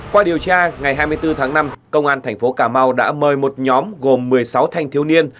qua điều tra ngày hai mươi bốn tháng năm công an thành phố cà mau đã mời một nhóm gồm một mươi sáu thanh thiếu niên